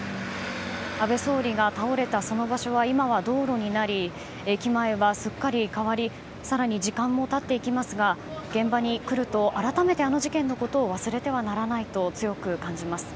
安倍総理が倒れたその場所は今は道路になり駅前はすっかり変わりさらに時間もたっていきますが現場に来るとあらためてあの事件のことを忘れてはならないと強く感じます。